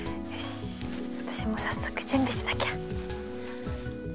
私も早速準備しなきゃ！